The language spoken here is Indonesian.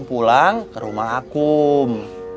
pulang kerumah akum